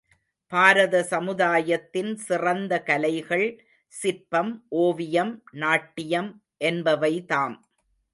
பாரத சமுதாயத்தின் சிறந்த கலைகள், சிற்பம், ஓவியம், நாட்டியம் என்பவைதாம்.